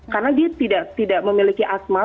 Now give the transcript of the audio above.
karena dia tidak memiliki asma